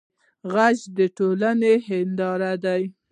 غږ د ټولنې هنداره ده